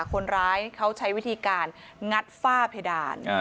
คนร้ายเขาใช้วิธีการงัดฝ้าเพดาน